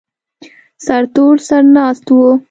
سرتور سر ناست و.